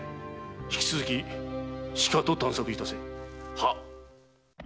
引き続きしかと探索いたせ。